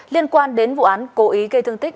liên quan đến vụ án cố ý gây thương tích